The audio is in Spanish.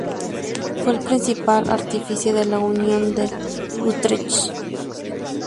Fue el principal artífice de la Unión de Utrecht.